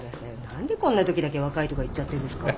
何でこんなときだけ若いとか言っちゃってんですか。